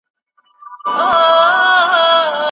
هغه د حقیقتونو په لټه کي ډېر سفرونه کړي دي.